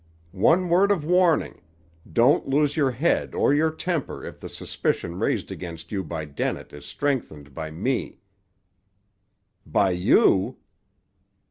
One word of warning: don't lose your head or your temper if the suspicion raised against you by Dennett is strengthened by me." "By you!"